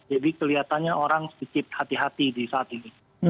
jadi kelihatannya orang sedikit hati hati di saat ini